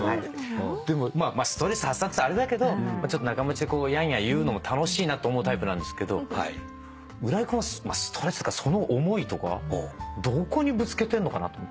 まあストレス発散っつったらあれだけど仲間うちでやんや言うのも楽しいなと思うタイプなんですけど浦井君はストレスというかその思いとかどこにぶつけてんのかなと思って。